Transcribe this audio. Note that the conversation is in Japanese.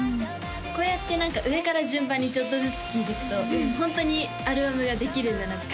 こうやって何か上から順番にちょっとずつ聴いてくとホントにアルバムができるんだなって